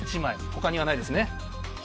他にはないですね？